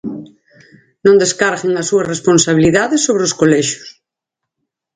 Non descarguen a súa responsabilidade sobre os colexios.